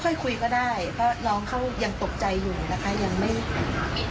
ก็ค่อยคุยก็ได้เพราะน้องเขายังตกใจอยู่นะคะ